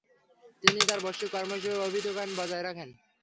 তিনি তার বৈশ্বিক কর্ম হিসেবে অভিহিত করেন, বজায় রাখেন।